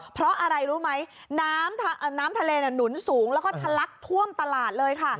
เพราะอะไรรู้ไหมน้ำทะเลหนุนสูงแล้วก็ทะลักท่วมตลาดเลยค่ะ